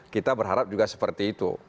kita berharap juga seperti itu